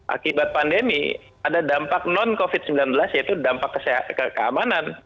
akibat pandemi ada dampak non covid sembilan belas yaitu dampak keamanan